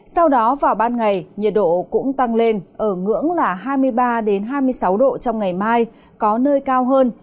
sau đó vào ban ngày nhiệt độ cũng tăng lên ở ngưỡng là hai mươi ba hai mươi sáu độ trong ngày mai có nơi cao hơn